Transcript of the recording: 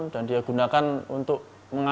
dan dia gunakan untuk mengancam